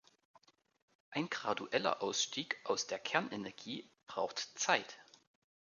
Ein gradueller Ausstieg aus der Kernenergie braucht Zeit.